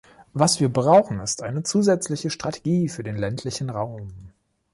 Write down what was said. Was wir brauchen, ist eine zusätzliche Strategie für den ländlichen Raum.